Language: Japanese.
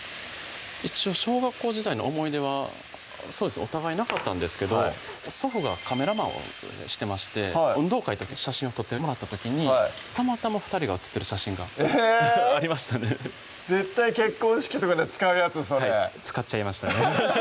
一応小学校時代の思い出はお互いなかったんですけど祖父がカメラマンをしてまして運動会の時に写真を撮ってもらった時にたまたま２人が写ってる写真がえぇ！ありましたね絶対結婚式とかで使うやつそれ使っちゃいましたね